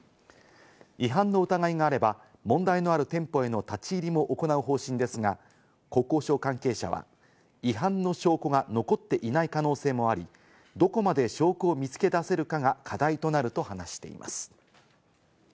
違反の疑いがあれば問題のある店舗への立ち入りも行う方針ですが、国交省関係者は違反の証拠が残っていない可能性もあり、どこまで証拠を見つけ出せるかが課題となると話しています。